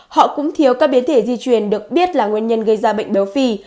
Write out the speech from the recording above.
họ cũng thiếu các biến thể di chuyển được biết là nguyên nhân gây ra bệnh béo phì